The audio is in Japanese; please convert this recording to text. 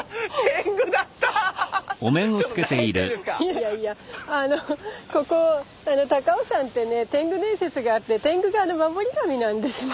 いやいやあのここ高尾山ってね天狗伝説があって天狗が守り神なんですね。